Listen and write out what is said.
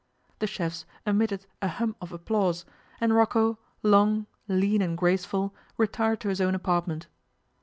The chefs emitted a hum of applause, and Rocco, long, lean, and graceful, retired to his own apartment.